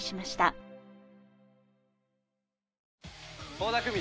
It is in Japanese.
倖田來未